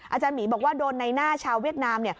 อาจารย์หมีบอกว่าโดนในหน้าชาวเวียดนาม